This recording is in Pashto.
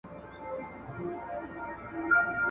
لېري زده کړه د انټرنېټ دلارې د درس مواد وړاندې کوي؟